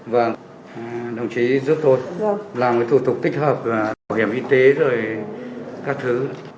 vâng đồng chí giúp tôi cũng làm cái thủ tục tích hợp bảo hiểm y tế rồi các thứ